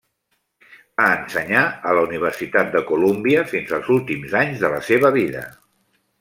Va ensenyar a la Universitat de Colúmbia fins als últims anys de la seva vida.